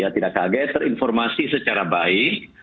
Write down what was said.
tidak kaget terinformasi secara baik